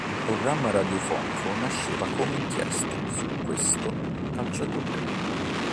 Il programma radiofonico nasceva come inchiesta su questo calciatore.